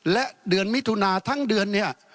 และเดือนมิถุนาทั้งเดือนเนี่ย